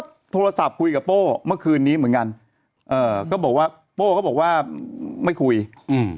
ก็โทรศัพท์คุยกับโป้เมื่อคืนนี้เหมือนกันเอ่อก็บอกว่าโป้ก็บอกว่าไม่คุยอืม